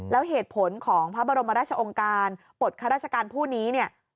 แล้วเหตุผลของพระบรมราชองค์การบทข้าราชการผู้นี้เนี่ย